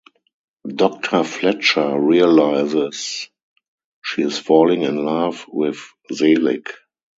Doctor Fletcher realizes she is falling in love with Zelig.